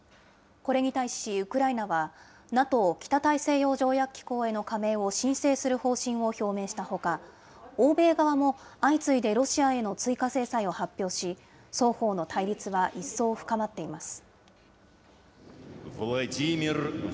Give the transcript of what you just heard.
これに対し、ウクライナは、ＮＡＴＯ・北大西洋条約機構への加盟を申請する方針を表明したほか、欧米側も、相次いでロシアへの追加制裁を発表し、双方の対立は一層深まっています。